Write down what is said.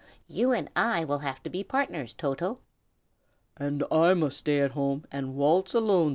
"You and I will have to be partners, Toto." "And I must stay at home and waltz alone!"